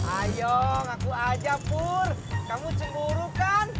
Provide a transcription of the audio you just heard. ayo ngaku aja pur kamu cemburu kan